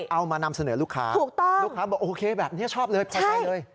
เอามานำเสนอลูกค้าลูกค้าบอกโอเคแบบนี้ชอบเลย